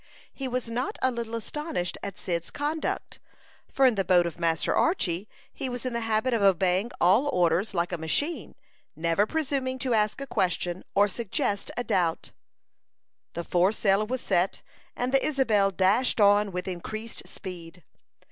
He was not a little astonished at Cyd's conduct, for in the boat of Master Archy he was in the habit of obeying all orders like a machine, never presuming to ask a question, or suggest a doubt. The foresail was set, and the Isabel dashed on with increased speed.